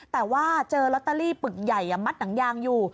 แต่ว่าเจอลอตเตอรี่ปึกใหญ่มัดหนังยางอยู่